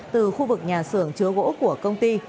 từ khu vực nhà xưởng chứa gỗ của công ty